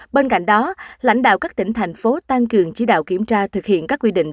bên cạnh đó lãnh đạo các tỉnh thành phố tăng cường chỉ đạo kiểm tra thực hiện các quy định